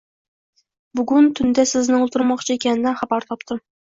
Bugun tunda sizni oʻldirmoqchi ekanidan xabar topdim